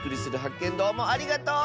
けんどうもありがとう！